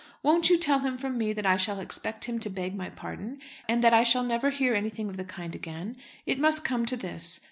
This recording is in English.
Won't you tell him from me that I shall expect him to beg my pardon, and that I shall never hear anything of the kind again. It must come to this.